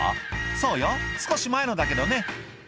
「そうよ少し前のだけどね」